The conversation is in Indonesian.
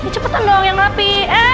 cepetan dong yang api